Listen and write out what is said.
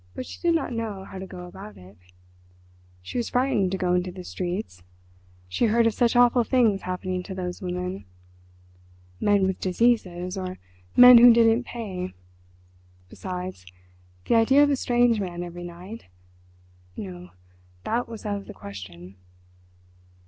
But she did not know how to go about it. She was frightened to go into the streets—she heard of such awful things happening to those women—men with diseases—or men who didn't pay—besides, the idea of a strange man every night—no, that was out of the question.